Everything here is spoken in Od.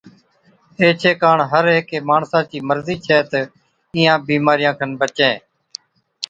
ايڇي ڪاڻ هر هيڪي ماڻسا چِي مرضِي ڇَي تہ اِينهان بِيمارِيان بڇَين